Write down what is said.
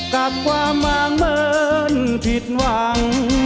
กับความหมายเหมือนผิดหวัง